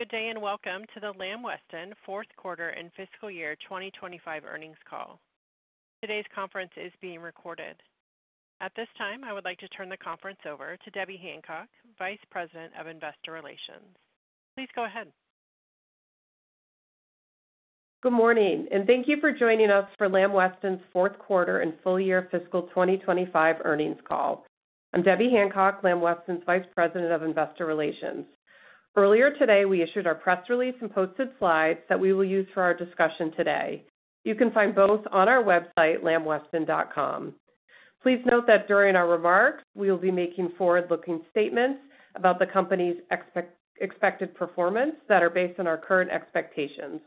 Good day and welcome to the Lamb Weston's Fourth Quarter and Fiscal Year 2025 Earnings Call. Today's conference is being recorded. At this time, I would like to turn the conference over to Debbie Hancock, Vice President of Investor Relations. Please go ahead. Good morning and thank you for joining us for Lamb Weston's Fourth Quarter and Full Year Fiscal 2025 Earnings Call. I'm Debbie Hancock, Lamb Weston's Vice President of Investor Relations. Earlier today we issued our press release and posted slides that we will use for our discussion today. You can find both on our website, lambweston.com. Please note that during our remarks we will be making forward-looking statements about the company's expected performance that are based on our current expectations.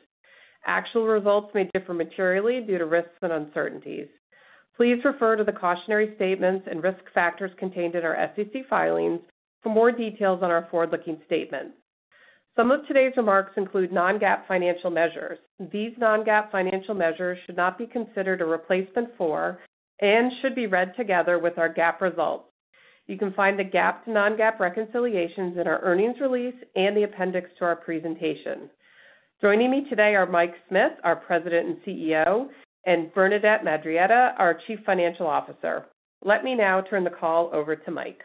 Actual results may differ materially due to risks and uncertainties. Please refer to the cautionary statements and risk factors contained in our SEC filings, including for more details on our forward-looking statements. Some of today's remarks include non-GAAP financial measures. These non-GAAP financial measures should not be considered a replacement for and should be read together with our GAAP results. You can find the GAAP to non-GAAP reconciliations in our earnings release and the appendix to our presentation. Joining me today are Mike Smith, our President and CEO, and Bernadette Madarieta, our Chief Financial Officer. Let me now turn the call over to Mike.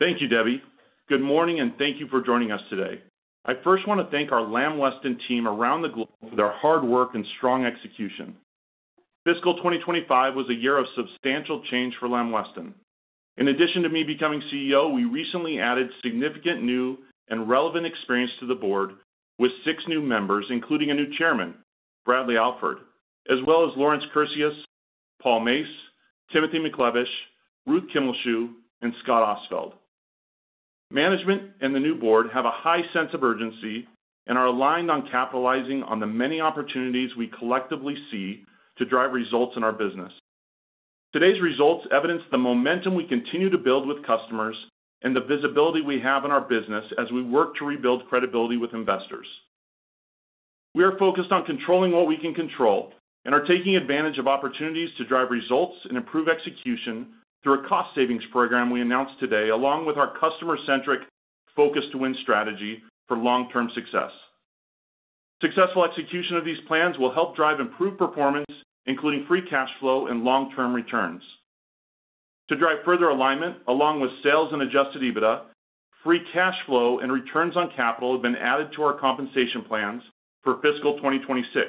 Thank you, Debbie. Good morning and thank you for joining us today. I first want to thank our Lamb Weston team around the globe for their hard work and strong execution. Fiscal 2025 was a year of substantial change for Lamb Weston. In addition to me becoming CEO, we recently added significant new and relevant experience to the board with six new members, including a new Chairman, Bradley Alford, as well as Laurence Cursius, Paul Mace, Timothy McLevish, Ruth Kimmelshue, and Scott Ostfeld. Management and the new board have a high sense of urgency and are aligned on capitalizing on the many opportunities we collectively see to drive results in our business. Today's results evidence the momentum we continue to build with customers and the visibility we have in our business as we work to rebuild credibility with investors. We are focused on controlling what we can control and are taking advantage of opportunities to drive results and improve execution through a cost savings program we announced today, along with our customer-centric Focus to Win strategy for long-term success. Successful execution of these plans will help drive improved performance, including free cash flow and long-term returns to drive further alignment along with sales and Adjusted EBITDA, free cash flow and returns on capital have been added to our compensation plans for fiscal 2026.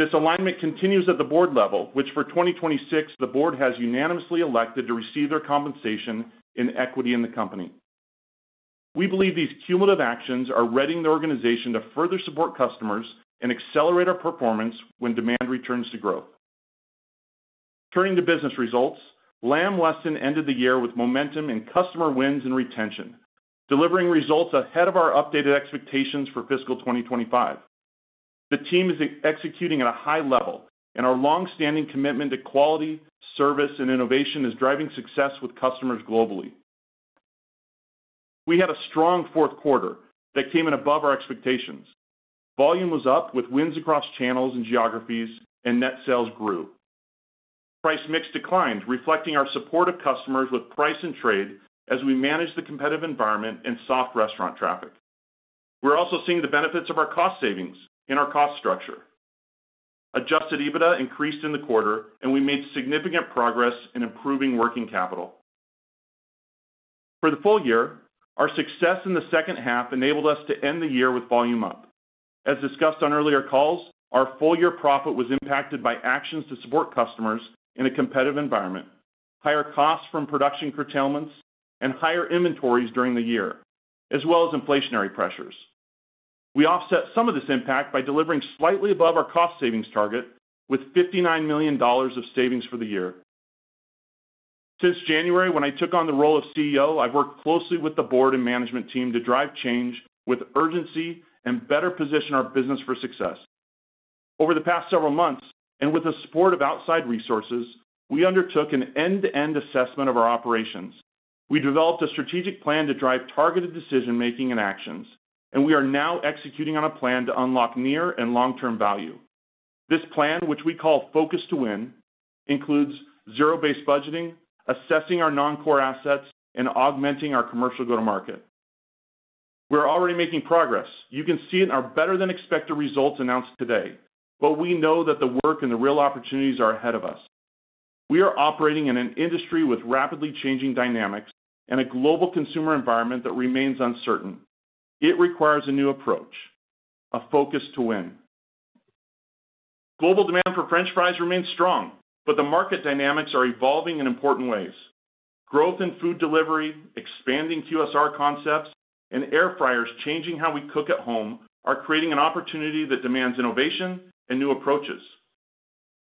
This alignment continues at the board level, which for 2026, the board has unanimously elected to receive their compensation in equity in the company. We believe these cumulative actions are readying the organization to further support customers and accelerate our performance when demand returns to growth. Turning to business results. Lamb Weston ended the year with momentum in customer wins and retention, delivering results ahead of our updated expectations for fiscal 2025. The team is executing at a high level and our long-standing commitment to quality, service, and innovation is driving success with customers globally. We had a strong fourth quarter that came in above our expectations. Volume was up with wins across channels and geographies, and net sales grew. Price mix declined, reflecting our support of customers with price and trade as we manage the competitive environment and soft restaurant traffic. We're also seeing the benefits of our cost savings in our cost structure. Adjusted EBITDA increased in the quarter and we made significant progress in improving working capital. For the full year, our success in the second half enabled us to end the year with volume up. As discussed on earlier calls, our full year profit was impacted by actions to support customers in a competitive environment, higher costs from production curtailments and higher inventories during the year, as well as inflationary pressures. We offset some of this impact by delivering slightly above our cost savings target with $59 million of savings for the year. Since January when I took on the role of CEO, I've worked closely with the Board and management team to drive change with urgency and better position our business for success. Over the past several months and with the support of outside resources, we undertook an end-to-end assessment of our operations. We developed a strategic plan to drive targeted decision making and actions, and we are now executing on a plan to unlock near and long term value. This plan, which we call Focus to Win, includes zero-based budgeting, assessing our non-core assets, and augmenting our commercial go-to-market. We're already making progress. You can see it in our better than expected results announced today, but we know that the work and the real opportunities are ahead of us. We are operating in an industry with rapidly changing dynamics and a global consumer environment that remains uncertain. It requires a new approach, a Focus to Win. Global demand for frozen French fries remains strong, but the market dynamics are evolving in important ways. Growth in food delivery, expanding QSR concepts, and air fryers changing how we cook at home are creating an opportunity that demands innovation and new approaches.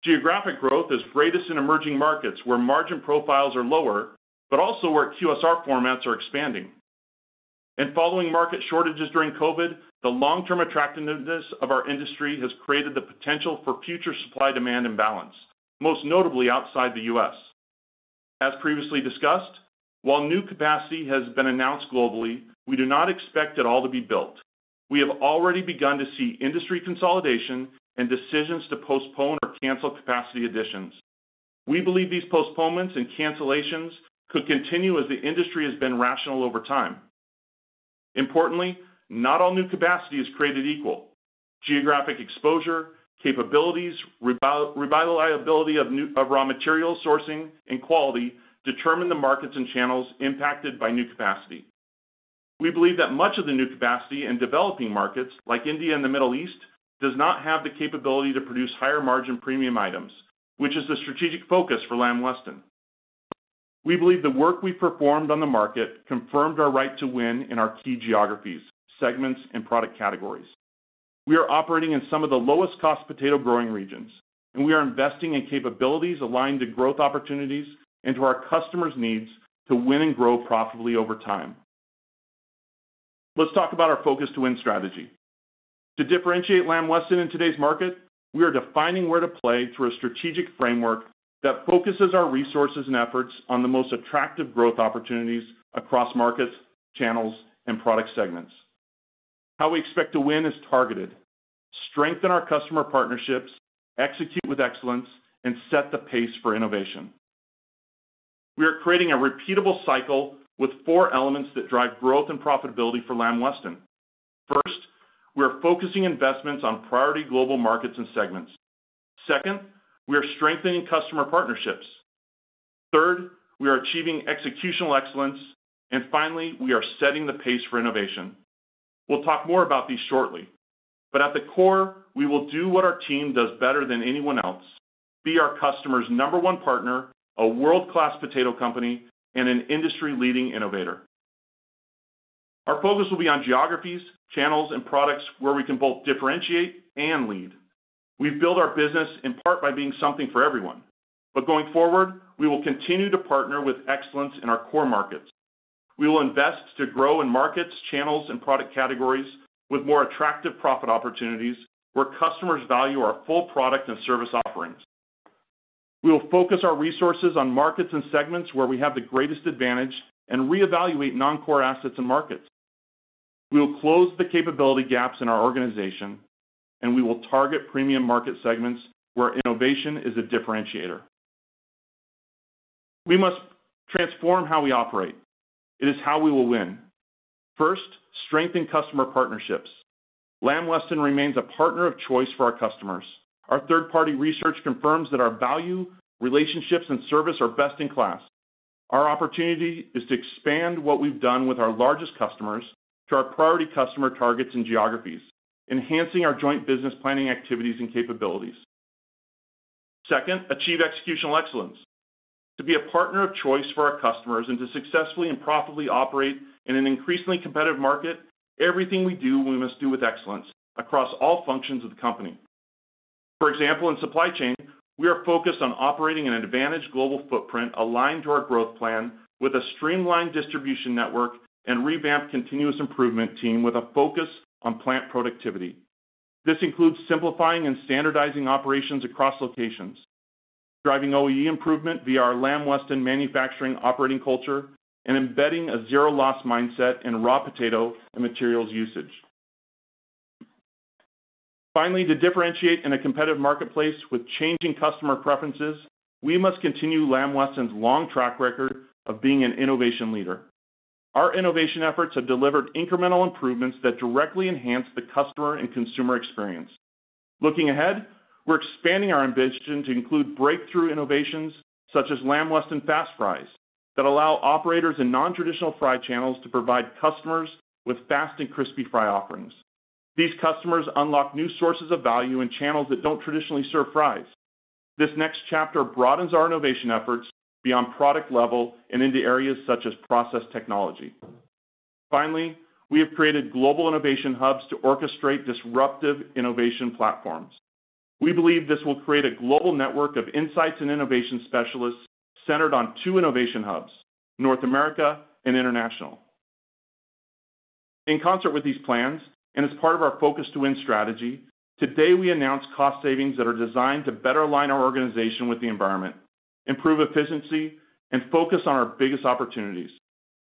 Geographic growth is greatest in emerging markets where margin profiles are lower, but also where QSR formats are expanding, and following market shortages during COVID, the long term attractiveness of our industry has created the potential for future supply demand imbalance, most notably outside the U.S. As previously discussed, while new capacity has been announced globally, we do not expect it all to be built. We have already begun to see industry consolidation and decisions to postpone or cancel capacity additions. We believe these postponements and cancellations could continue as the industry has been rational over time. Importantly, not all new capacity is created equal. Geographic exposure, capabilities, reliability of raw material sourcing, and quality determine the markets and channels impacted by new capacity. We believe that much of the new capacity in developing markets like India and the Middle East does not have the capability to produce higher margin premium items, which is the strategic focus for Lamb Weston. We believe the work we performed on the market confirmed our right to win in our key geographies, segments, and product categories. We are operating in some of the lowest cost potato growing regions, and we are investing in capabilities aligned to growth opportunities and to our customers' needs to win and grow profitably over time. Let's talk about our Focus to Win strategy. To differentiate Lamb Weston in today's market, we are defining where to play through a strategic framework that focuses our resources and efforts on the most attractive growth opportunities across markets, channels, and product segments. How we expect to win is targeted, strengthen our customer partnerships, execute with excellence, and set the pace for innovation. We are creating a repeatable cycle with four elements that drive growth and profitability for Lamb Weston. First, we are focusing investments on priority global markets and segments. Second, we are strengthening customer partnerships. Third, we are achieving executional excellence, and finally, we are setting the pace for innovation. We'll talk more about these shortly, but at the core, we will do what our team does better than anyone else: be our customers' number one partner, a world-class potato company, and an industry-leading innovator. Our focus will be on geographies, channels, and products where we can both differentiate and lead. We've built our business in part by being something for everyone. Going forward, we will continue to partner with excellence in our core markets. We will invest to grow in markets, channels, and product categories with more attractive profit opportunities where customers value our full product and service offerings. We will focus our resources on markets and segments where we have the greatest advantage and reevaluate non-core assets and markets. We will close the capability gaps in our organization, and we will target premium market segments where innovation is a differentiator. We must transform how we operate. It is how we will win. First, strengthen customer partnerships. Lamb Weston remains a partner of choice for our customers. Our third-party research confirms that our value, relationships, and service are best in class. Our opportunity is to expand what we've done with our largest customers to our priority customer targets and geographies, enhancing our joint business planning activities and capabilities. Second, achieve executional excellence to be a partner of choice for our customers and to successfully and profitably operate in an increasingly competitive market. Everything we do we must do with excellence across all functions of the company. For example, in supply chain, we are focused on operating an advantaged global footprint aligned to our growth plan with a streamlined distribution network and revamped continuous improvement team with a focus on productivity. This includes simplifying and standardizing operations across locations, driving OEE improvement via our Lamb Weston manufacturing operating culture and embedding a zero loss mindset in raw potato and materials usage. Finally, to differentiate in a competitive marketplace with changing customer preferences, we must continue Lamb Weston's long track record of being an innovation leader. Our innovation efforts have delivered incremental improvements that directly enhance the customer and consumer experience. Looking ahead, we're expanding our ambition to include breakthrough innovations such as Lamb Weston Fast Fries that allow operators in non-traditional fry channels to provide customers with fast and crispy fry offerings. These customers unlock new sources of value in channels that don't traditionally serve fries. This next chapter broadens our innovation efforts beyond product level and into areas such as process technology. Finally, we have created global innovation hubs to orchestrate disruptive innovation platforms. We believe this will create a global network of insights and innovation specialists centered on two innovation hubs, North America and International. In concert with these plans and as part of our Focus to Win strategy, today we announced cost savings that are designed to better align our organization with the environment, improve efficiency and focus on our biggest opportunities.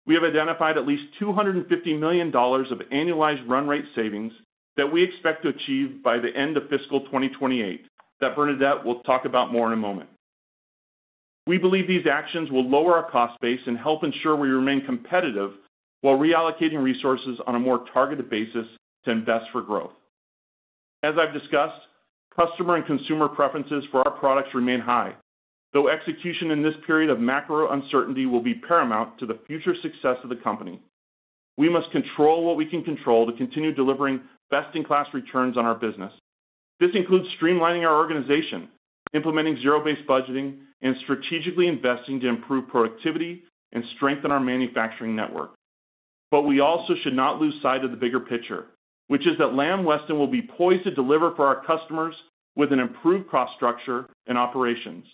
We have identified at least $250 million of annualized run-rate savings that we expect to achieve by the end of fiscal 2028 that Bernadette will talk about more in a moment. We believe these actions will lower our cost base and help ensure we remain competitive while reallocating resources on a more targeted basis to invest for growth. As I've discussed, customer and consumer preferences for our products remain high, though execution in this period of macro uncertainty will be paramount to the future success of the company. We must control what we can control to continue delivering best-in-class returns on our business. This includes streamlining our organization, implementing zero-based budgeting, and strategically investing to improve productivity and strengthen our manufacturing network. We also should not lose sight of the bigger picture, which is that Lamb Weston will be poised to deliver for our customers with an improved cost structure and operations.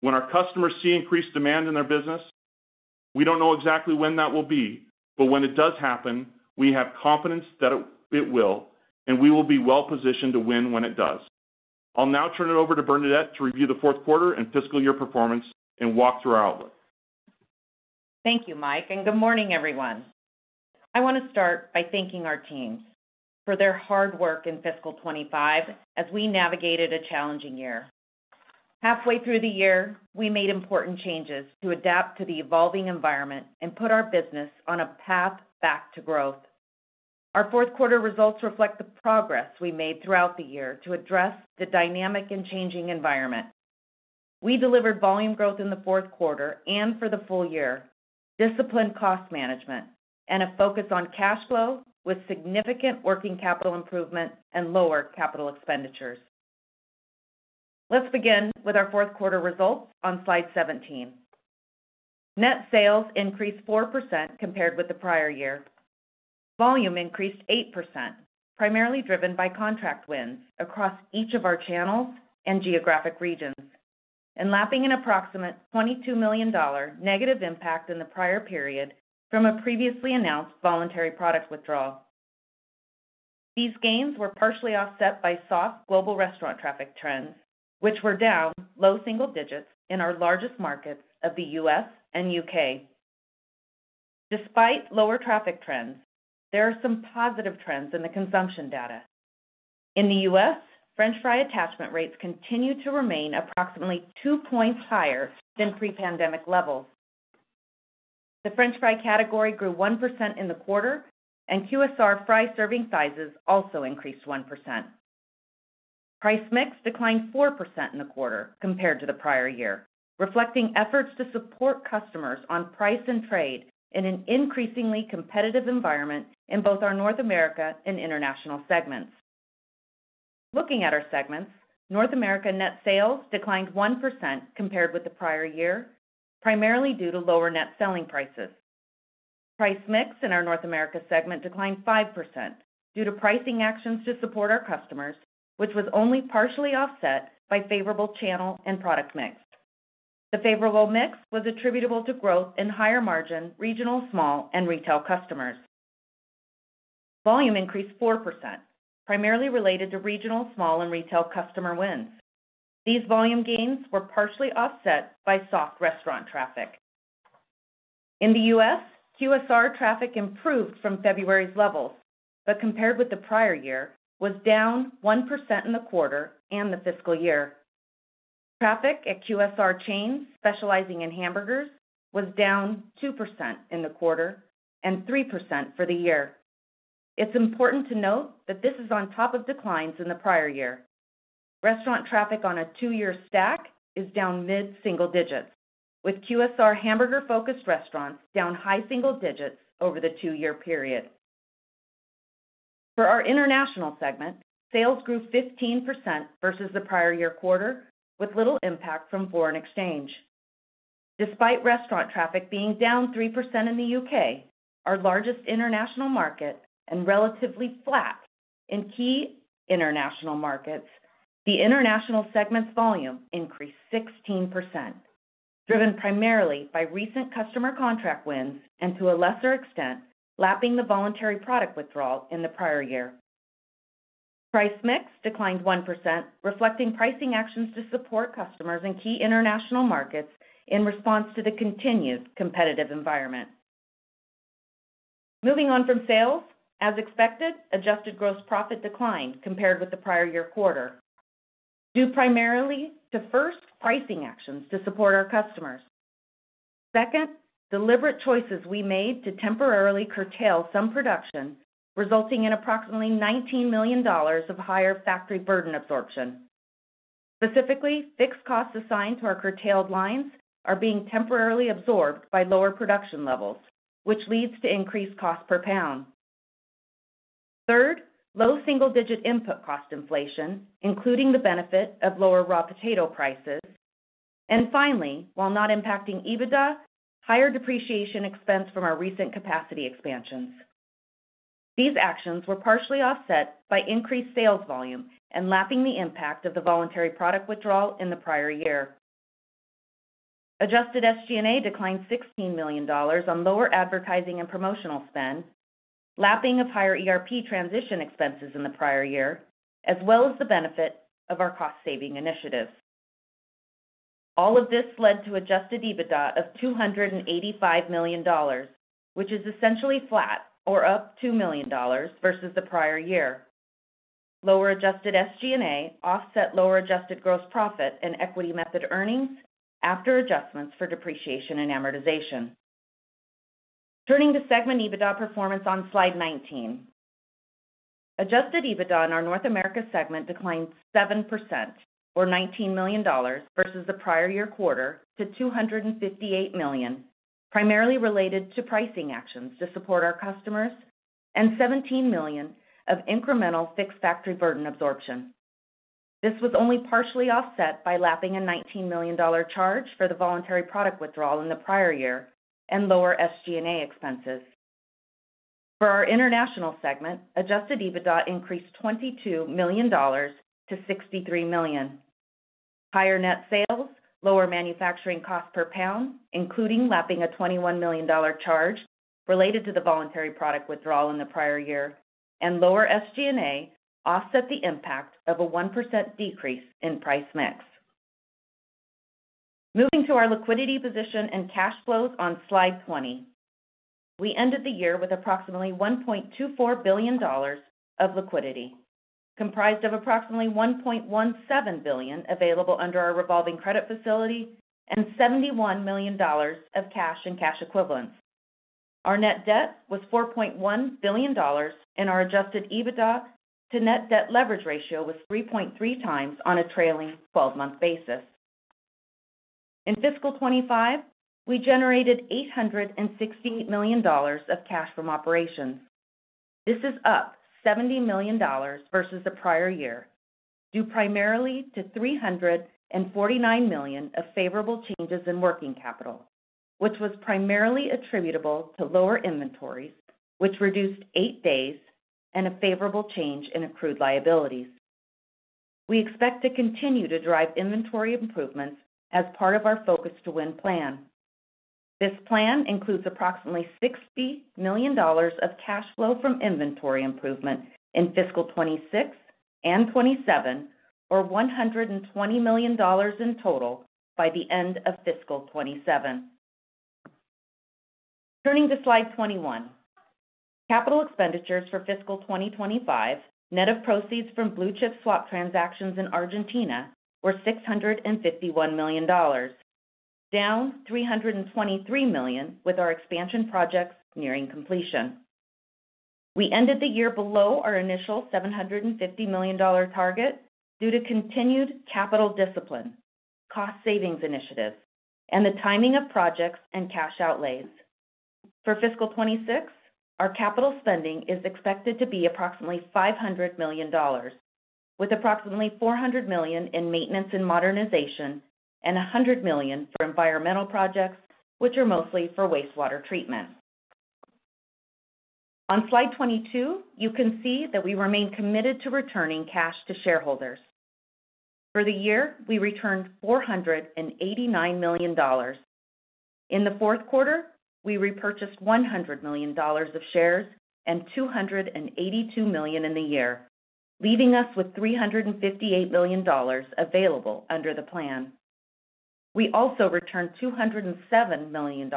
When our customers see increased demand in their business, we don't know exactly when that will be, but when it does happen, we have confidence that it will and we will be well positioned to win when it does. I'll now turn it over to Bernadette to review the fourth quarter and fiscal year performance and walk through our outlook. Thank you, Mike, and good morning, everyone. I want to start by thanking our teams for their hard work in fiscal 2025 as we navigated a challenging year. Halfway through the year, we made important changes to adapt to the evolving environment and put our business on a path back to growth. Our fourth quarter results reflect the progress we made throughout the year to address the dynamic and changing environment. We delivered volume growth in the fourth quarter and for the full year, disciplined cost management, and a focus on cash flow with significant working capital improvement and lower capital expenditures. Let's begin with our fourth quarter results on Slide 17. Net sales increased 4% compared with the prior year. Volume increased 8%, primarily driven by contract wins across each of our channels and geographic regions and lapping an approximate $22 million negative impact in the prior period from a previously announced voluntary product withdrawal. These gains were partially offset by soft global restaurant traffic trends, which were down low single digits in our largest markets of the U.S. and U.K. Despite lower traffic trends, there are some positive trends in the consumption data. In the U.S., French fry attachment rates continue to remain approximately 2 points higher than pre-pandemic levels. The French fry category grew 1% in the quarter, and QSR fry serving sizes also increased 1%. Price mix declined 4% in the quarter compared to the prior year, reflecting efforts to support customers on price and trade in an increasingly competitive environment in both our North America and international segments. Looking at our segments, North America net sales declined 1% compared with the prior year, primarily due to lower net selling prices. Price mix in our North America segment declined 5% due to pricing actions to support our customers, which was only partially offset by favorable channel and product mix. The favorable mix was attributable to growth in higher margin regional, small, and retail customers. Volume increased 4%, primarily related to regional, small, and retail customer wins. These volume gains were partially offset by soft restaurant traffic in the U.S. QSR traffic improved from February's levels, but compared with the prior year was down 1% in the quarter and the fiscal year. Traffic at QSR chains specializing in hamburgers was down 2% in the quarter and 3% for the year. It's important to note that this is on top of declines in the prior year. Restaurant traffic on a two-year stack is down mid single digits, with QSR hamburger-focused restaurants down high single digits over the two-year period. For our international segment, sales grew 15% versus the prior year quarter with little impact from foreign exchange. Despite restaurant traffic being down 3% in the U.K., our largest international market, and relatively flat in key international markets, the International segment's volume increased 16%, driven primarily by recent customer contract wins and, to a lesser extent, lapping the voluntary product withdrawal. In the prior year, price mix declined 1%, reflecting pricing actions to support customers in key international markets in response to the continued competitive environment. Moving on from sales, as expected, adjusted gross profit declined compared with the prior year quarter due primarily to, first, pricing actions to support our customers; second, deliberate choices we made to temporarily curtail some production, resulting in approximately $19 million of higher factory burden absorption. Specifically, fixed costs assigned to our curtailed lines are being temporarily absorbed by lower production levels, which leads to increased cost per pound; third, low single-digit input cost inflation, including the benefit of lower raw potato prices; and finally, while not impacting EBITDA, higher depreciation expense from our recent capacity expansions. These actions were partially offset by increased sales volume and lapping the impact of the voluntary product withdrawal in the prior year. Adjusted SG&A declined $16 million on lower advertising and promotional spend, lapping of higher ERP transition expenses in the prior year, as well as the benefit of our cost saving initiatives. All of this led to Adjusted EBITDA of $285 million, which is essentially flat or up $2 million versus the prior year. Lower Adjusted SG&A offset lower adjusted gross profit and equity method earnings after adjustments for depreciation and amortization. Turning to segment EBITDA performance on Slide 19. Adjusted EBITDA in our North America segment declined 7%, or $19 million, versus the prior year quarter to $258 million, primarily related to pricing actions to support our customers and $17 million of incremental fixed factory burden absorption. This was only partially offset by lapping a $19 million charge for the voluntary product withdrawal in the prior year and lower SG&A expenses. For our International segment, Adjusted EBITDA increased $22 million to $63 million. Higher net sales, lower manufacturing cost per pound, including lapping a $21 million charge related to the voluntary product withdrawal in the prior year, and lower SG&A offset the impact of a 1% decrease in price mix. Moving to our liquidity position and cash flows on Slide 20. We ended the year with approximately $1.24 billion of liquidity, comprised of approximately $1.17 billion available under our revolving credit facility and $71 million of cash and cash equivalents. Our net debt was $4.1 billion, and our Adjusted EBITDA to net debt leverage ratio was 3.3 times on a trailing 12-month basis. In fiscal 2025, we generated $868 million of cash from operations. This is up $70 million versus the prior year, due primarily to $349 million of favorable changes in working capital, which was primarily attributable to lower inventories, which reduced eight days, and a favorable change in accrued liabilities. We expect to continue to drive inventory improvements as part of our Focus to Win plan. This plan includes approximately $60 million of cash flow from inventory improvement in fiscal 2026 and 2027, or $120 million in total by the end of fiscal 2027. Turning to Slide 21, capital expenditures for fiscal 2025, net of proceeds from blue chip swap transactions in Argentina, were $651 million, down $323 million. With our expansion projects nearing completion, we ended the year below our initial $750 million target due to continued capital discipline, cost savings initiatives, and the timing of projects and cash outlays. For fiscal 2026, our capital spending is expected to be approximately $500 million, with approximately $400 million in maintenance and modernization and $100 million for environmental projects, which are mostly for wastewater treatment. On Slide 22, you can see that we remain committed to returning cash to shareholders. For the year, we returned $489 million. In the fourth quarter, we repurchased $100 million of shares and $282 million in the year, leaving us with $358 million available under the plan. We also returned $207 million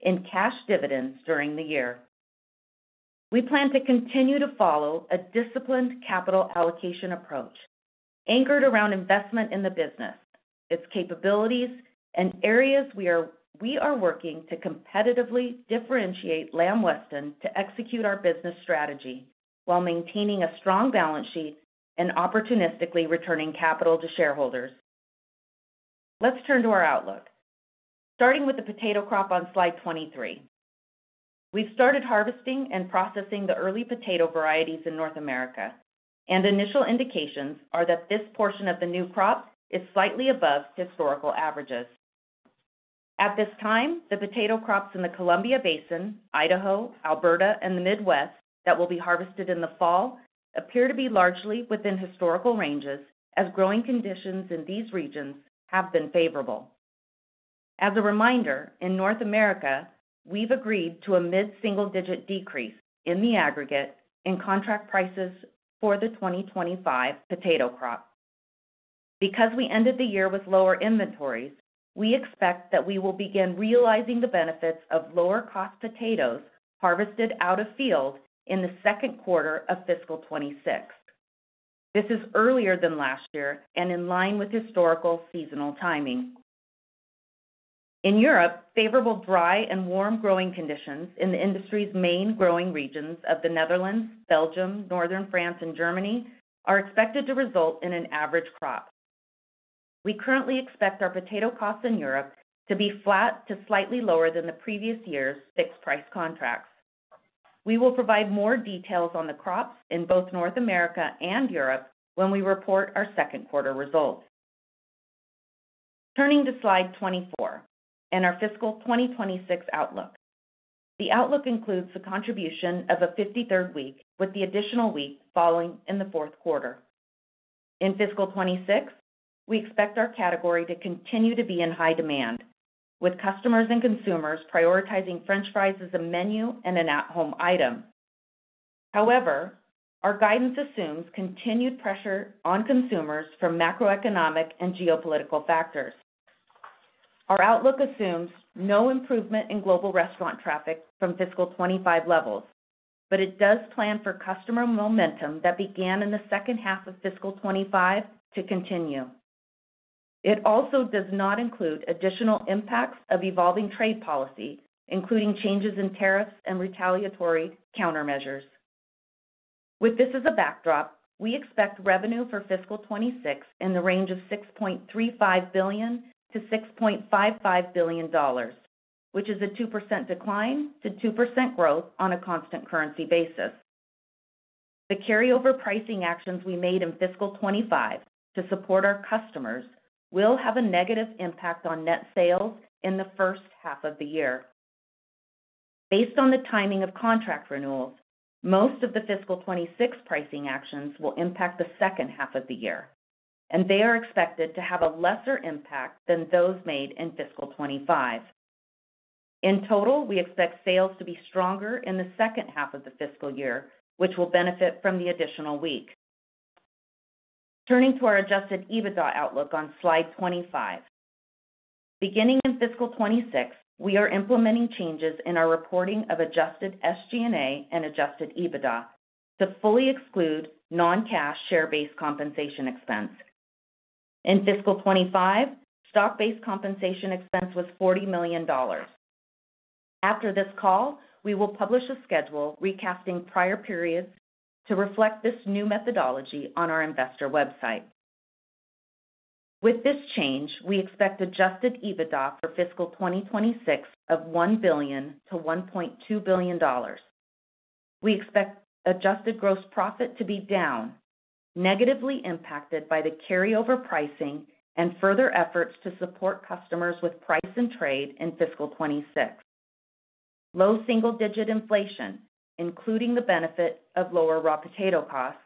in cash dividends during the year. We plan to continue to follow a disciplined capital allocation approach anchored around investment in the business, its capabilities, and areas. We are working to competitively differentiate Lamb Weston to execute our business strategy while maintaining a strong balance sheet and opportunistically returning capital to shareholders. Let's turn to our outlook, starting with the potato crop on Slide 23. We've started harvesting and processing the early potato varieties in North America, and initial indications are that this portion of the new crop is slightly above historical averages. At this time, the potato crops in the Columbia Basin, Idaho, Alberta, and the Midwest that will be harvested in the fall appear to be largely within historical ranges as growing conditions in these regions have been favorable. As a reminder, in North America, we've agreed to a mid single digit decrease in the aggregate in contract prices for the 2025 potato crop. Because we ended the year with lower inventories, we expect that we will begin realizing the benefits of lower cost potatoes harvested out of field in the second quarter of fiscal 2026. This is earlier than last year and in line with historical seasonal timing. In Europe, favorable dry and warm growing conditions in the industry's main growing regions of the Netherlands, Belgium, Northern France, and Germany are expected to result in an average crop. We currently expect our potato costs in Europe to be flat to slightly lower than the previous year's fixed price contracts. We will provide more details on the crops in both North America and Europe when we report our second quarter results. Turning to Slide 24 and our fiscal 2026 outlook, the outlook includes the contribution of a 53rd week with the additional week falling in the fourth quarter. In fiscal 2026, we expect our category to continue to be in high demand with customers and consumers prioritizing French fries as a menu and an at home item. However, our guidance assumes continued pressure on consumers from macro-economic and geopolitical factors. Our outlook assumes no improvement in global restaurant traffic from fiscal 2025 levels, but it does plan for customer momentum that began in the second half of fiscal 2025 to continue. It also does not include additional impacts of evolving trade policy, including changes in tariffs and retaliatory countermeasures. With this as a backdrop, we expect revenue for fiscal 2026 in the range of $6.35 billion-$6.55 billion, which is a 2% decline to 2% growth on a constant currency basis. The carryover pricing actions we made in fiscal 2025 to support our customers will have a negative impact on net sales in the first half of the year based on the timing of contract renewals. Most of the fiscal 2026 pricing actions will impact the second half of the year and they are expected to have a lesser impact than those made in fiscal 2025. In total, we expect sales to be stronger in the second half of the fiscal year, which will benefit from the additional week. Turning to our Adjusted EBITDA outlook on Slide 25. Beginning in fiscal 2026, we are implementing changes in our reporting of Adjusted SG&A and Adjusted EBITDA to fully exclude non-cash share-based compensation expense. In fiscal 2025, stock-based compensation expense was $40 million. After this call, we will publish a schedule recasting prior periods to reflect this new methodology on our investor website. With this change, we expect Adjusted EBITDA for fiscal 2026 of $1 billion-$1.2 billion. We expect adjusted gross profit to be down, negatively impacted by the carryover pricing and further efforts to support customers with price and trade in fiscal 2026, low single-digit inflation, including the benefit of lower raw potato costs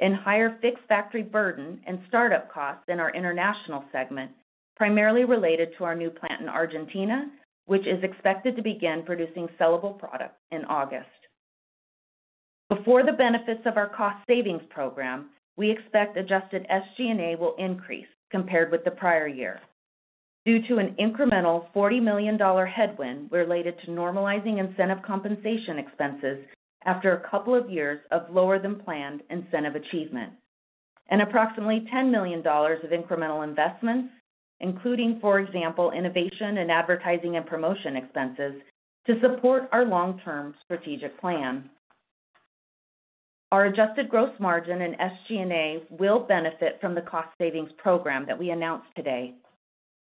and higher fixed factory burden and startup costs in our international segment, primarily related to our new plant in Argentina, which is expected to begin producing sellable products in August. Before the benefits of our cost savings program, we expect Adjusted SG&A will increase compared with the prior year due to an incremental $40 million headwind related to normalizing incentive compensation expenses after a couple of years of lower than planned incentive achievement and approximately $10 million of incremental investments, including, for example, innovation and advertising and promotion expenses to support our long-term strategic plan. Our adjusted gross margin and SG&A will benefit from the cost savings program that we announced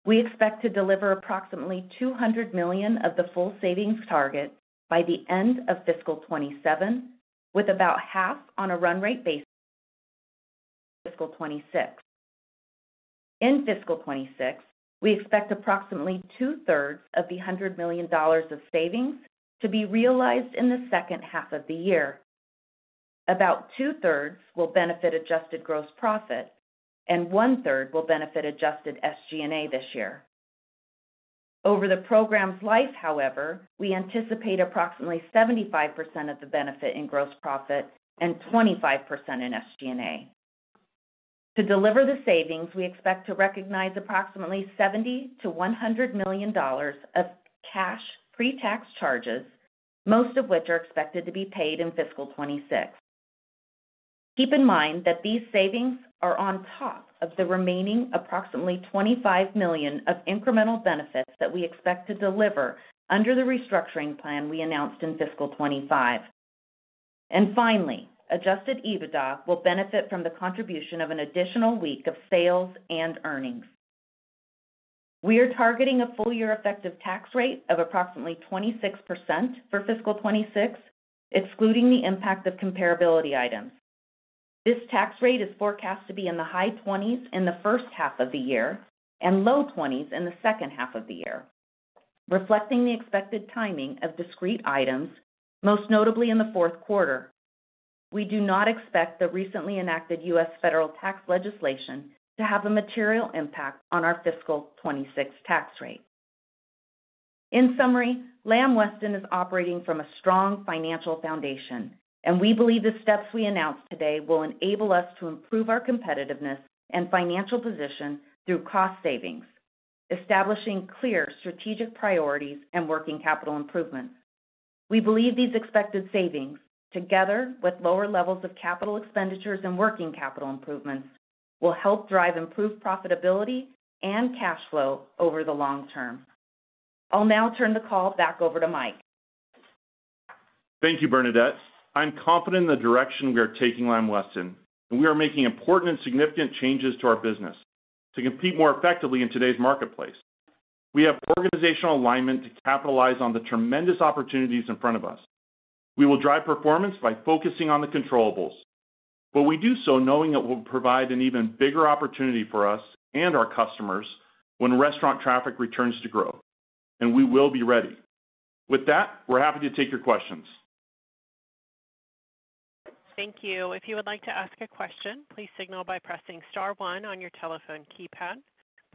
today. We expect to deliver approximately $200 million of the full savings target by the end of fiscal 2027, with about half on a run-rate basis. In fiscal 2026, we expect approximately 2/3 of the $100 million of savings to be realized in the second half of the year. About 2/3 will benefit adjusted gross profit and 1/3 will benefit Adjusted SG&A this year. Over the program's life, however, we anticipate approximately 75% of the benefit in gross profit and 25% in SG&A. To deliver the savings, we expect to recognize approximately $70 million-$100 million of cash pre-tax charges, most of which are expected to be paid in fiscal 2026. Keep in mind that these savings are on top of the remaining approximately $25 million of incremental benefits that we expect to deliver under the restructuring plan we announced in fiscal 2025. Finally, Adjusted EBITDA will benefit from the contribution of an additional week of sales and earnings. We are targeting a full year effective tax rate of approximately 26% for fiscal 2026, excluding the impact of comparability items. This tax rate is forecast to be in the high 20% range in the first half of the year and low 20% range in the second half of the year, reflecting the expected timing of discrete items, most notably in the fourth quarter. We do not expect the recently enacted U.S. Federal tax legislation to have a material impact on our fiscal 2026 tax rate. In summary, Lamb Weston is operating from a strong financial foundation, and we believe the steps we announced today will enable us to improve our competitiveness and financial position through cost savings, establishing clear strategic priorities, and working capital improvements. We believe these expected savings, together with lower levels of capital expenditures and working capital improvements, will help drive improved profitability and cash flow over the long term. I'll now turn the call back over to Mike. Thank you, Bernadette. I'm confident in the direction we are taking Lamb Weston, and we are making important and significant changes to our business to compete more effectively in today's marketplace. We have organizational alignment to capitalize on the tremendous opportunities in front of us. We will drive performance by focusing on the controllables, knowing it will provide an even bigger opportunity for us and our customers when restaurant traffic returns to growth. We will be ready with that. We're happy to take your questions. Thank you. If you would like to ask a question, please signal by pressing star one on your telephone keypad.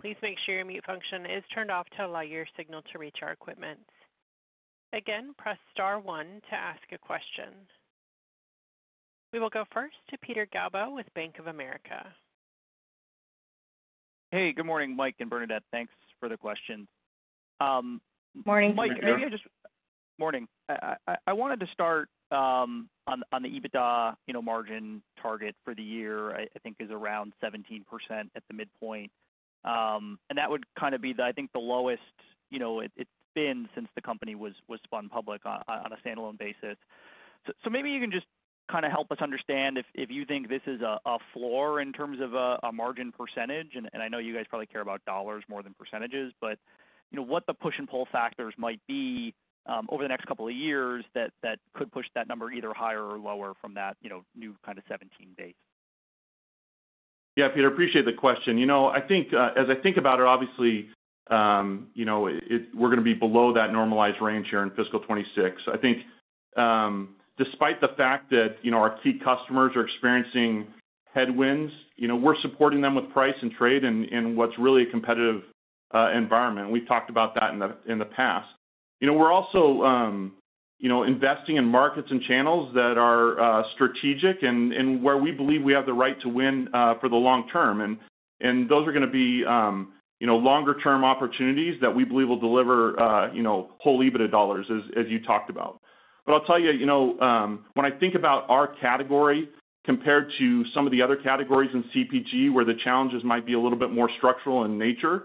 Please make sure your mute function is turned off to allow your signal to reach our equipment. Again, press star one to ask a question. We will go first to Peter Galbo with Bank of America. Hey, good morning, Mike and Bernadette. Thanks for the question. Morning. Morning. I wanted to start on the Adjusted EBITDA margin target for the year, I think is around 17% at the midpoint. That would kind of be, I think, the lowest it's been since the company was spun public on a standalone basis. Maybe you can just kind of help us understand if you think this is a floor in terms of a margin percentage. I know you guys probably care about dollars more than percentages, but what the push and pull factors might be over the next couple of years that could push that number either higher or lower from that new kind of 17% base. Yeah, Peter, appreciate the question. I think as I think about it, obviously, we're going to be below that normalized range here in fiscal 2026. I think, despite the fact that our key customers are experiencing headwinds, we're supporting them with price and trade in what's really a competitive environment. We've talked about that in the past. We're also investing in markets and channels that are strategic and where we believe we have the right to win for the long term, and those are going to be longer term opportunities that we believe will deliver whole EBITDA dollars, as you talked about. I'll tell you, when I think about our category compared to some of the other categories in CPG, where the challenges might be a little bit more structural in nature,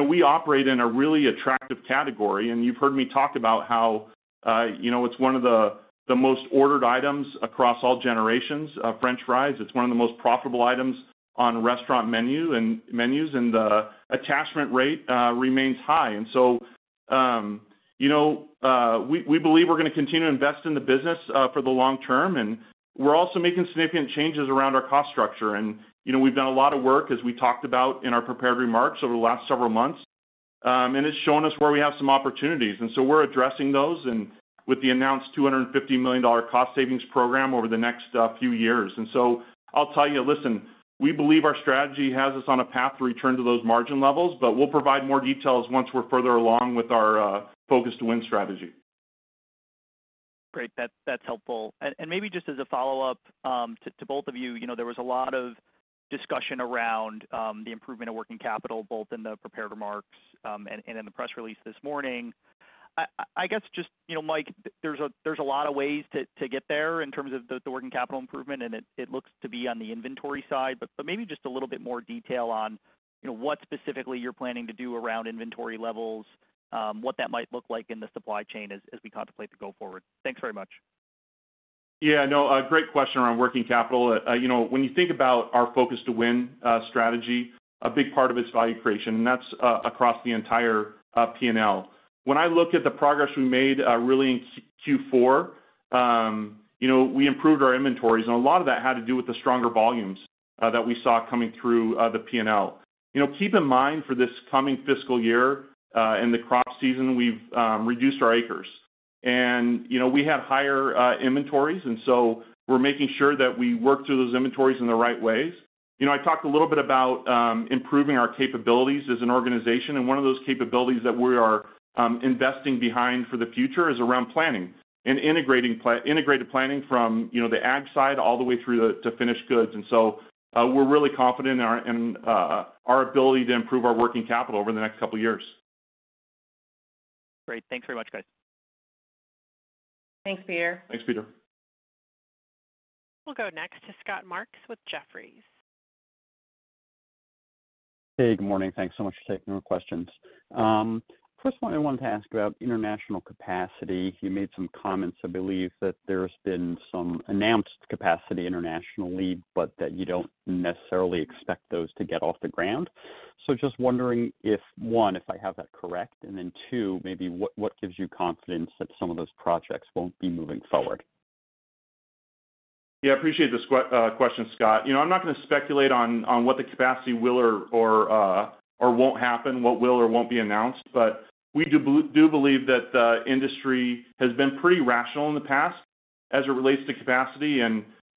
we operate in a really attractive category. You've heard me talk about how it's one of the most ordered items across all generations. French fries. It's one of the most profitable items on restaurant menus and the attachment rate remains high. We believe we're going to continue to invest in the business for the long term. We're also making significant changes around our cost structure. We've done a lot of work as we talked about in our prepared remarks over the last several months, and it's showing us where we have some opportunities. We're addressing those with the announced $250 million cost savings program over the next few years. I'll tell you, we believe our strategy has us on a path to return to those margin levels, but we'll provide more details once we're further along with our Focus to Win strategy. Great, that's helpful. Maybe just as a follow up to both of you, there was a lot of discussion around the improvement of working capital, both in the prepared remarks and in the press release this morning. I guess just Mike, there's a lot of ways to get there in terms of the working capital improvement and it looks to be on the inventory side, but maybe just a little bit more detail on what specifically you're planning to do around inventory levels, what that might look like in the supply chain as we contemplate to go forward. Thanks very much. Yeah, no, great question. Around working capital, when you think about our Focus to Win strategy, a big part of its value creation, and that's across the entire P&L. When I look at the progress we made really in Q4, we improved our inventories, and a lot of that had to do with the stronger volumes that we saw coming through the P&L. Keep in mind for this coming fiscal year in the crop season, we've reduced our acres, and we had higher inventories. We're making sure that we work through those inventories in the right ways. I talked a little bit about improving our capabilities as an organization. One of those capabilities that we are investing behind for the future is around planning and integrated planning from the AG side all the way through to finished goods. We're really confident in our ability to improve our working capital over the next couple years. Great. Thanks very much, guys. Thanks, Peter. Thanks, Peter. We'll go next to Scott Marks with Jefferies. Hey, good morning. Thanks so much for taking the questions. First I wanted to ask about international capacity. You made some comments. I believe that there's been some announced capacity internationally, but that you don't necessarily expect those to get off the ground. Just wondering if, one, if I have that correct, and then two, maybe what gives you confidence that some of those projects won't be moving forward? Yeah, I appreciate this question, Scott. I'm not going to speculate on what the capacity will or won't happen, what will or won't be announced, but we do believe that the industry has been pretty rational in the past as it relates to capacity.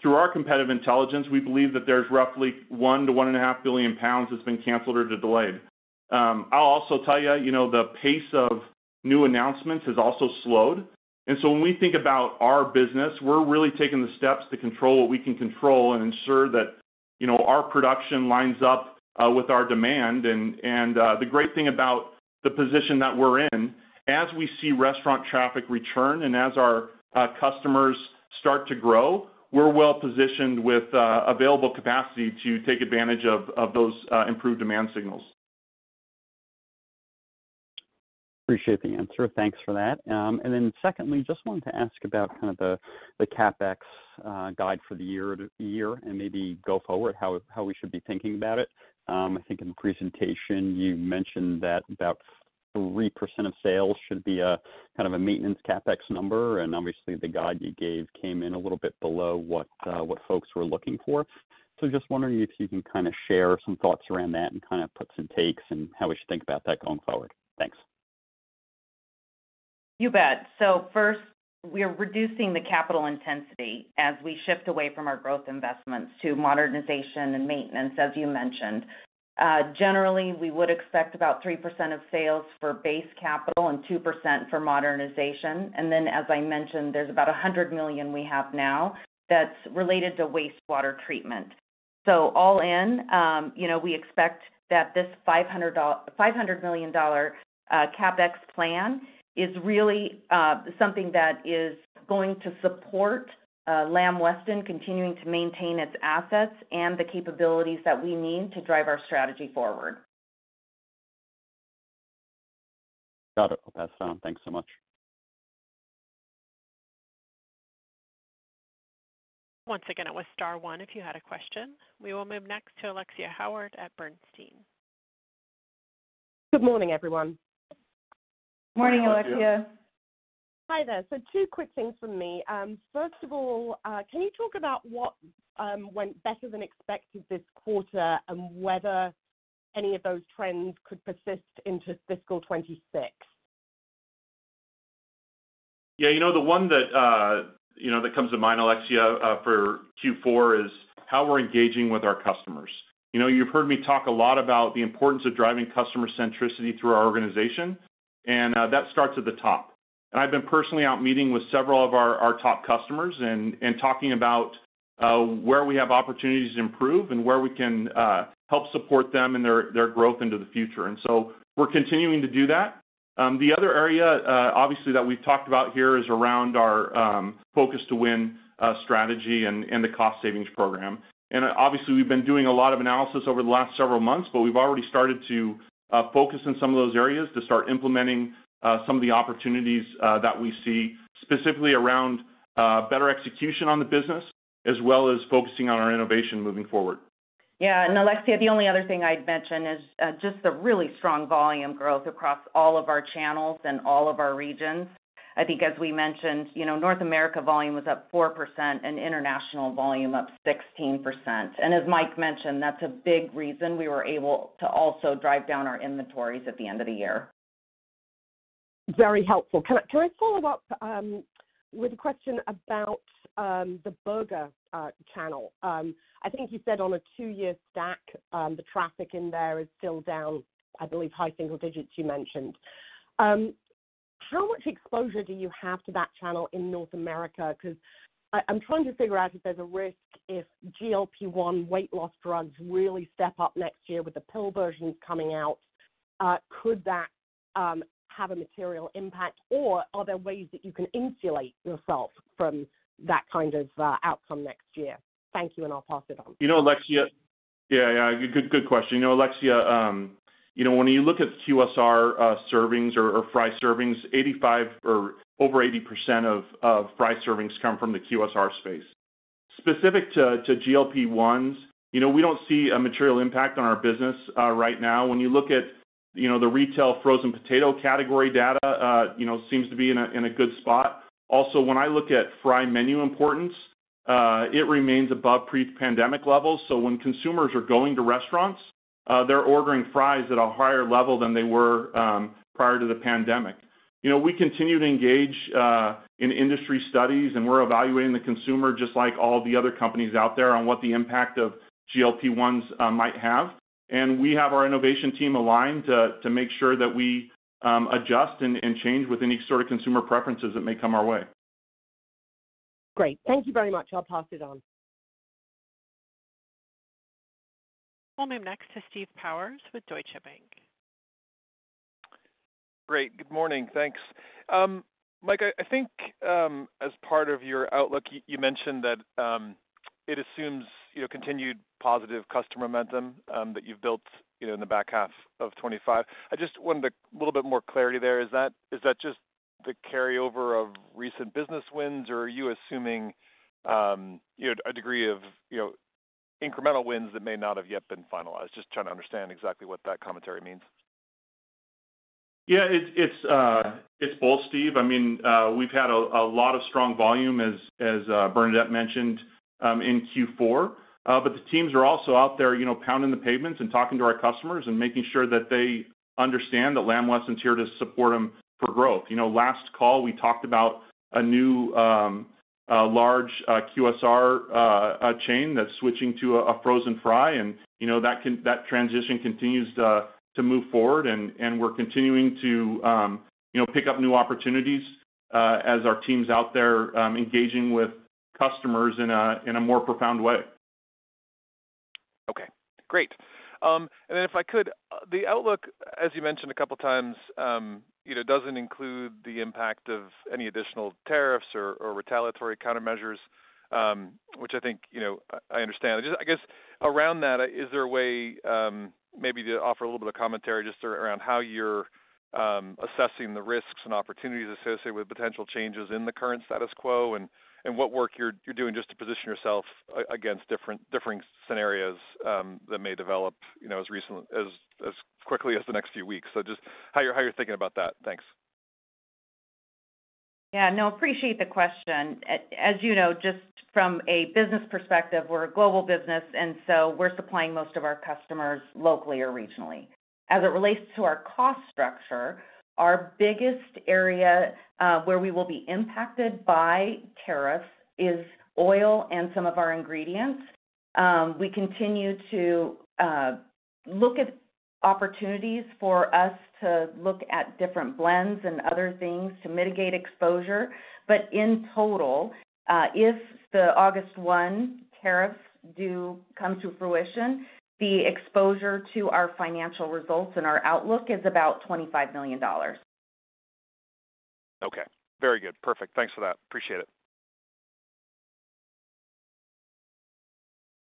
Through our competitive intelligence, we believe that there's roughly 1 billion-1.5 billion pounds that's been canceled or delayed. I'll also tell you the pace of new announcements has also slowed. When we think about our business, we're really taking the steps to control what we can control and ensure that our production lines up with our demand. The great thing about the position that we're in, as we see restaurant traffic return and as our customers start to grow, we're well positioned with available capacity to take advantage of those improved demand signals. Appreciate the answer. Thanks for that. Secondly, just wanted to ask about kind of the CapEx guide for the year and maybe go forward, how we should be thinking about it. I think in the presentation you mentioned that about 3% of sales should be kind of a maintenance CapEx number. Obviously, the guide you gave came in a little bit below what folks were looking for. Just wondering if you can kind of share some thoughts around that and kind of puts and takes and how we should think about that going forward. Thanks. You bet. First, we are reducing the capital intensity as we shift away from our growth investments to modernization and maintenance. As you mentioned, generally we would expect about 3% of sales for base capital and 2% for modernization. As I mentioned, there's about $100 million we have now that's related to wastewater treatment. All in, we expect that this $500 million CapEx plan is really something that is going to support Lamb Weston continuing to maintain its assets and the capabilities that we need to drive our strategy forward. Got it. Thanks so much. Once again, it was star one, if you had a question. We will move next to Alexia Howard at Bernstein. Good morning, everyone. Morning, Alexia. Hi there. Two quick things for me. First of all, can you talk about what went better than expected this quarter and whether any of those trends could persist into fiscal 2026? Yeah. You know, the one that comes to mind, Alexia, for Q4, is how we're engaging with our customers. You've heard me talk a lot about the importance of driving customer centricity through our organization, and that starts at the top. I've been personally out meeting with several of our top customers and talking about where we have opportunities to improve and where we can help support them in their growth into the future. We're continuing to do that. The other area, obviously, that we talked about here is around our Focus to Win strategy and the cost savings program. Obviously, we've been doing a lot of analysis over the last several months, but we've already started to focus in some of those areas to start implementing some of the opportunities that we see specifically around better execution on the business as well as focusing on our innovation moving forward. Yeah, and Alexia, the only other thing I'd mention is just the really strong volume growth across all of our channels and all of our regions. I think as we mentioned, North America volume was up 4% and international volume up 16%. As Mike mentioned, that's a big reason we were able to also drive down our inventories at the end of the year. Very helpful. Can I follow up with a question about the Burger channel? I think you said on a two year stack the traffic in there is still down, I believe high single digits. You mentioned how much exposure do you have to that channel in North America? Because I'm trying to figure out if there's a risk, if GLP-1 weight loss drugs really step up next year with the pill versions coming out, could that have a material impact or are there ways that you can insulate yourself from that kind of outcome next year? Thank you and I'll pass it on. You know, Alexia. Good question. You know, Alexia, when you look at QSR servings or fry servings, 85% or over 80% of fry servings come from the QSR space. Specific to GLP-1s, we don't see a material impact on our business right now. When you look at the retail frozen potato category data, it seems to be in a good spot. Also, when I look at fry menu importance, it remains above pre-pandemic levels. When consumers are going to restaurants, they're ordering fries at a higher level than they were prior to the pandemic. We continue to engage in industry studies and we're evaluating the consumer just like all the other companies out there on what the impact of GLP-1s might have. We have our innovation team aligned to make sure that we adjust and change with any sort of consumer preferences that may come our way. Great, thank you very much. I'll pass it on. We'll move next to Steve Powers with Deutsche Bank. Great. Good morning. Thanks. Mike, I think as part of your outlook, you mentioned that it assumes continued positive customer momentum that you've built in the back half of 2025. I just wanted a little bit more clarity there. Is that just the carryover of recent? Business wins, or are you assuming a degree of incremental wins that may not. Have yet been finalized? Just trying to understand exactly what that commentary means. Yeah, it's both, Steve. I mean, we've had a lot of strong volume, as Bernadette mentioned in Q4, but the teams are also out there pounding the pavements and talking to our customers and making sure that they understand that Lamb Weston's here to support them for growth. Last call, we talked about a new large QSR chain that's switching to a frozen fry, and that transition continues to move forward, and we're continuing to pick up new opportunities as our team's out there engaging with customers in a more profound way. Okay, great. If I could, the outlook, as you mentioned a couple times, doesn't include the impact of any additional tariffs or retaliatory countermeasures, which I think I understand. I guess around that, is there a way maybe to offer a little bit of commentary just around how you're assessing the risks and opportunities associated with potential changes in the current status quo? What work you're doing just to position. Yourself against different scenarios that may develop as quickly as the next few weeks? Just how you're thinking about that. Thanks. Yeah, no, appreciate the question. As you know, just from a business perspective, we're a global business, and so we're supplying most of our customers locally or regionally as it relates to our cost structure. Our biggest area where we will be impacted by tariffs is oil and some of our ingredients. We continue to look at opportunities for us to look at different blends and other things to mitigate exposure. In total, if the August 1st tariffs do come to fruition, the exposure to our financial results and our outlook is about $25 million. Okay, very good. Perfect. Thanks for that. Appreciate it.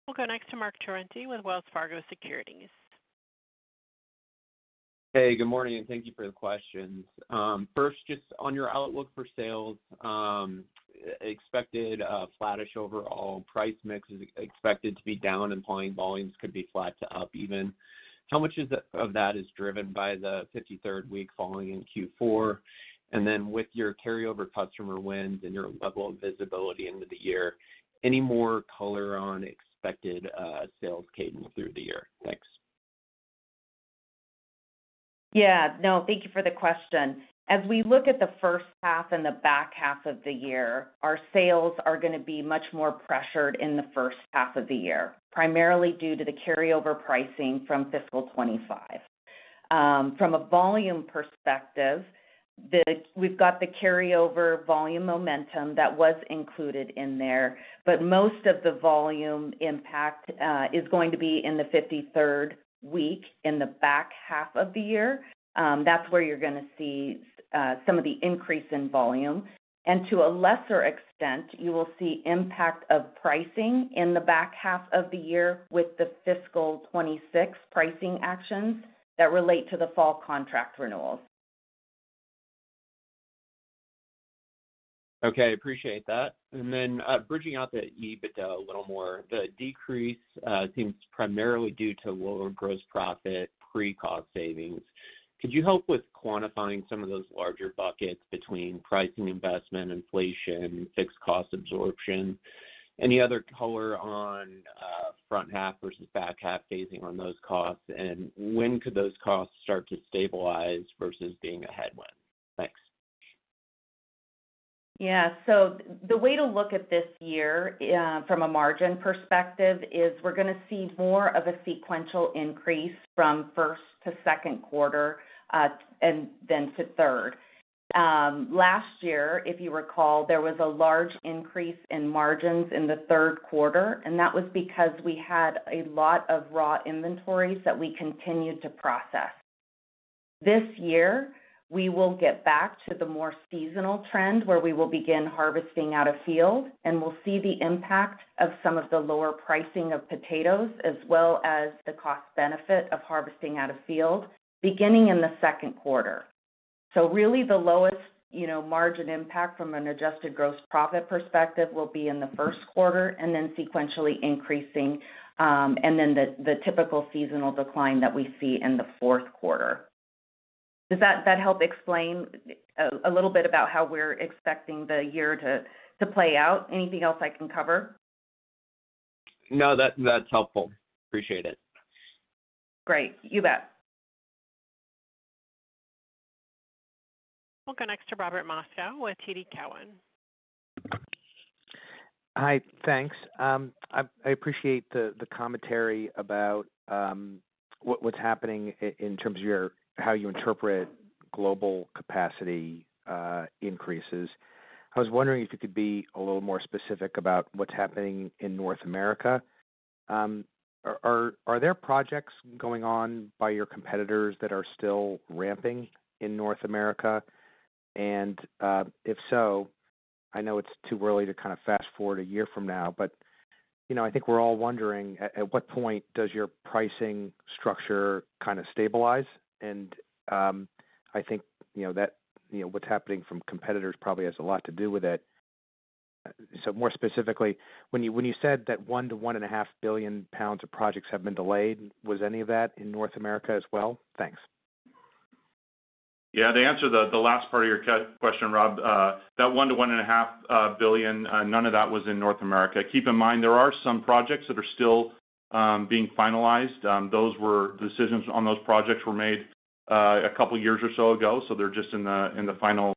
We'll go next to Marc Torrente with Wells Fargo Securities. Hey, good morning and thank you for the questions. First, just on your outlook for sales, expected flattish, overall price mix is expected to be down, implying volumes could be flat to up even. How much of that is driven by the 53rd week falling in Q4? With your carryover customer wins and your level of visibility into the year, any more color on expected sales cadence through the year? Thanks. Yeah, no. Thank you for the question. As we look at the first half and the back half of the year, our sales are going to be much more pressured in the first half of the year, primarily due to the carryover pricing from fiscal 2025. From a volume perspective, we've got the carryover volume momentum that was included in there, but most of the volume impact is going to be in the 53rd week in the back half of the year. That is where you're going to see some of the increase in volume. To a lesser extent, you will see impact of pricing in the back half of the year with the fiscal 2026 pricing actions that relate to the fall contract renewals. Okay, appreciate that. Then bridging out the EBITDA a little more, the decrease seems primarily due to lower gross profit pre cost savings. Could you help with quantifying some of those larger buckets between pricing, investment, inflation, fixed cost absorption, any other color on front half versus back half phasing on those costs, and when could those costs start to stabilize versus being a headwind? Thanks. Yeah. The way to look at this year from a margin perspective is we're going to see more of a sequential increase from first to second quarter and then to third. Last year, if you recall, there was a large increase in margins in the third quarter, and that was because we had a lot of raw inventories that we continue to process. This year we will get back to the more seasonal trend where we will begin harvesting out of field, and we'll see the impact of some of the lower pricing of potatoes as well as the cost benefit of harvesting out of field beginning in the second quarter. Really, the lowest margin impact from an adjusted gross profit perspective will be in the first quarter and then sequentially increasing, and then the typical seasonal decline that we see in the fourth quarter. Does that help explain a little bit about how we're expecting the year to play out? Anything else I can cover? No, that's helpful. Appreciate it. Great. You bet. We'll go next to Robert Moskow with TD Cowen. Hi, thanks. I appreciate the commentary about what's happening in terms of how you interpret global capacity increases. I was wondering if you could be a little more specific about what's happening in North America. Are there projects going on by your competitors that are still ramping in North America? If so, I know it's too early to kind of fast forward a year from now, but I think we're all wondering at what point does your pricing structure kind of stabilize? I think you know that what's happening from competitors probably has a lot to do with it. More specifically, when you said that 1 billion-1.5 billion pounds of projects have been delayed, was any of that in North America as well? Thanks. Yeah. To answer the last part of your question, Rob, that 1 billion-1.5 billion, none of that was in North America. Keep in mind, there are some projects that are still being finalized. Those decisions on those projects were made a couple years or so ago, so they're just in the final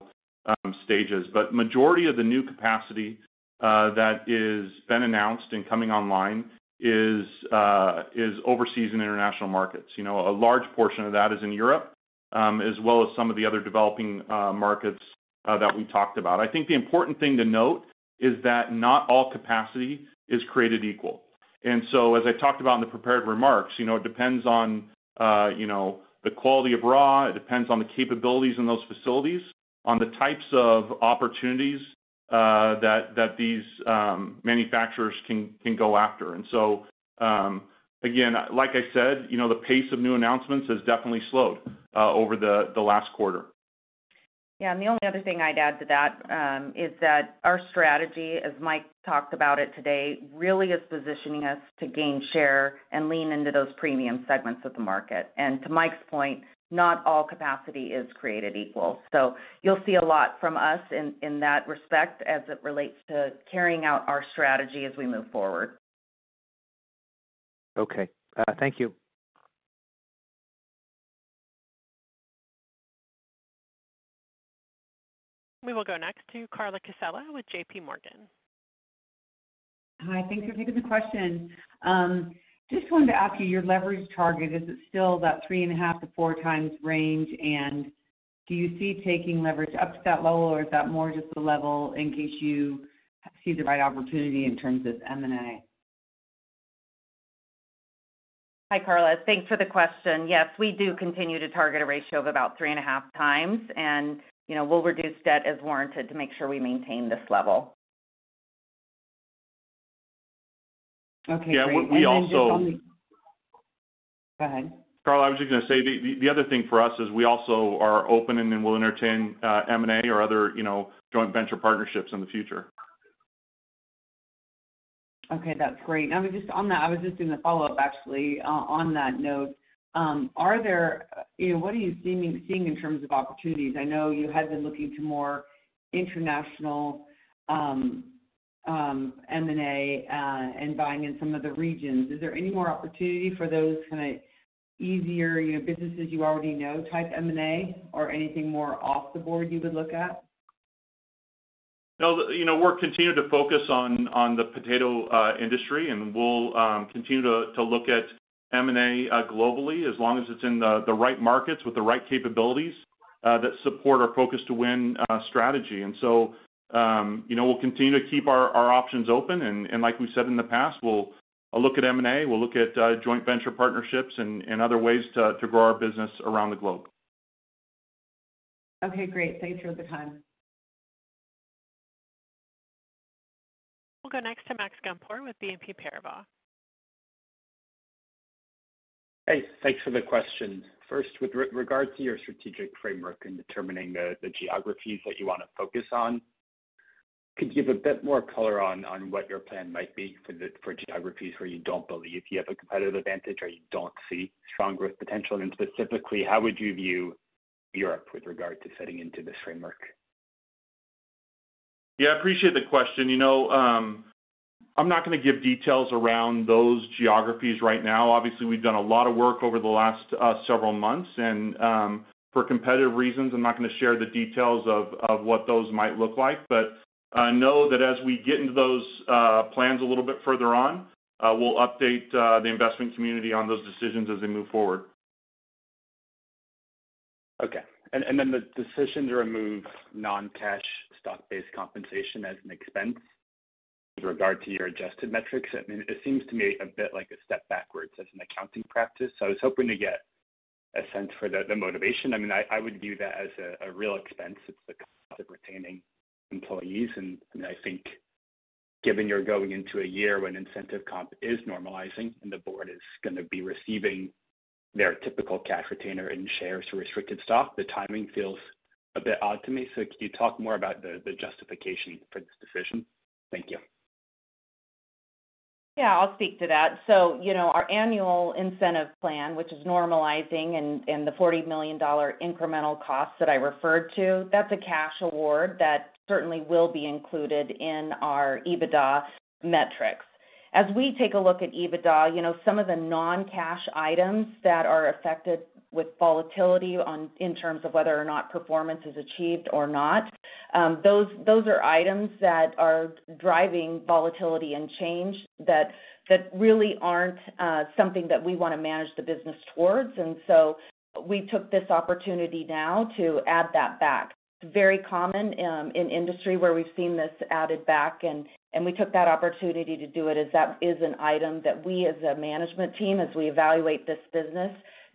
stages. The majority of the new capacity that has been announced and coming online is overseas in international markets. A large portion of that is in Europe as well as some of the other developing markets that we talked about. I think the important thing to note is that not all capacity is created equal. As I talked about in the prepared remarks, it depends on the quality of raw, it depends on the capabilities in those facilities, on the types of opportunities that these manufacturers can go after. Again, like I said, the pace of new announcements has definitely slowed over the last quarter. The only other thing I'd add to that is that our strategy, as Mike talked about it today, really is positioning us to gain share and lean into those premium segments of the market. To Mike's point, not all capacity is created equal. You'll see a lot from us in that respect as it relates to carrying out our strategy as we move forward. Okay, thank you. We will go next to Carla Casella with JPMorgan. Hi, thanks for taking the question. Just wanted to ask you your leverage target. Is it still that 3.5x to 4x range, and do you see taking leverage up to that level, or is that more just a level in case you see the right opportunity in terms of M&A? Hi Carla, thanks for the question. Yes, we do continue to target a ratio of about 3.5x, and you know, we'll reduce debt as warranted to make sure we maintain this level. Okay. We also. Go ahead. Carla, I was just going to say the other thing for us is we also are open and will entertain M&A or other joint venture partnerships in the future. Okay, that's great. I was just doing a follow-up actually on that note. What are you seeing in terms of opportunities? I know you had been looking to more international M&A and buying in some of the regions. Is there any more opportunity for those kind of easier businesses you already know, type M&A or anything more off the board you would look at? We're continuing to focus on the potato industry, and we'll continue to look at M&A globally as long as it's in the right markets with the right capabilities that support our Focus to Win strategy. We'll continue to keep our options open. Like we said in the past, we'll look at M&A, we'll look at joint venture partnerships, and other ways to grow our business around the globe. Okay, great. Thanks for the time. We'll go next to Max Gumport with BNP Paribas. Hey, thanks for the question. First, with regards to your strategic framework in determining the geographies that you want to focus on, could you give a bit more color on what your plan might be for geographies where you don't believe you have a competitive advantage or you don't see strong growth potential? Specifically, how would you view Europe with regard to setting into this framework? Yeah, I appreciate the question. You know, I'm not going to give details around those geographies right now. Obviously, we've done a lot of work over the last several months, and for competitive reasons, I'm not going to share the details of what those might look like. Know that as we get into those plans a little bit further on, we'll update the investment community on those decisions as they move forward. Okay. The decision to remove non cash stock-based compensation as an expense with regard to your adjusted metrics, it seems to me a bit like a step backwards as an accounting practice. I was hoping to get a sense for the motivation. I would view that as a real expense. It's the cost of retaining employees. I think given you're going into a year when incentive comp is normalizing and the board is going to be receiving their typical cash retainer in shares for restricted stock, the timing feels a bit odd to me. Can you talk more about the justification for this decision? Thank you. I'll speak to that. You know our annual incentive plan, which is normalizing, and the $40 million incremental costs that I refer to, that's a cash award that certainly will be included in our EBITDA metrics. As we take a look at EBITDA, some of the non-cash items that are affected with volatility in terms of whether or not performance is achieved, those are items that are driving volatility and change that really aren't something that we want to manage the business towards. We took this opportunity now to add that back. It is very common in industry where we've seen this added back. We took that opportunity to do it as that is an item that we, as a management team, as we evaluate this business,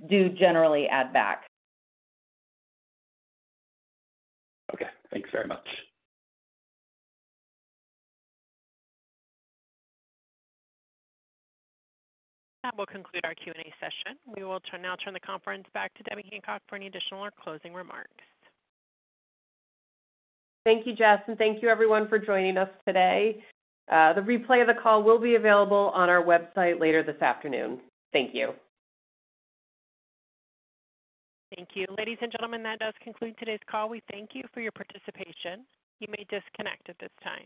do generally add back. Okay, thanks very much. That will conclude our Q&A session. We will now turn the conference back to Debbie Hancock for any additional or closing remarks. Thank you, Jess. Thank you, everyone, for joining us today. The replay of the call will be available on our website later this afternoon. Thank you. Thank you, ladies and gentlemen. That does conclude today's call. We thank you for your participation. You may disconnect at this time.